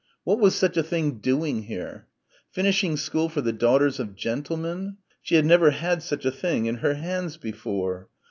What was such a thing doing here?... Finishing school for the daughters of gentlemen.... She had never had such a thing in her hands before....